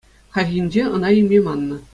Хальхинче ӑна илме маннӑ.